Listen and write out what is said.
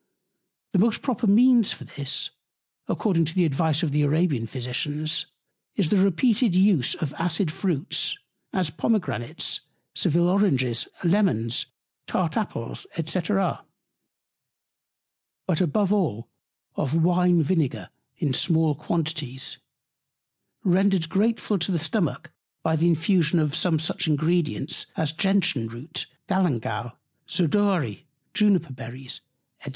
The most proper Means for this, according to the Advice of the Arabian Physicians, is the repeated Use of acid Fruits, as Pomegranates, Sevil Oranges, Lemons, tart Apples, &c. But above all of Wine Vinegar in small Quantities, rendered grateful to the Stomach by the Infusion of some such Ingredients as Gentian Root, Galangal, Zedoary, Juniper Berries, &c.